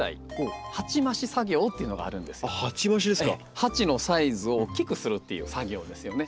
鉢のサイズを大きくするっていう作業ですよね。